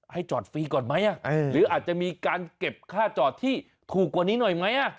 ให้จอดฟรีก่อนไหมหรืออาจจะมีการเก็บค่าจอดที่ถูกกว่านี้หน่อยไหม